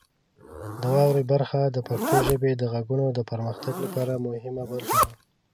د واورئ برخه د پښتو ژبې د غږونو د پرمختګ لپاره مهمه برخه ده.